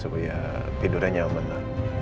supaya tidurnya nyaman lah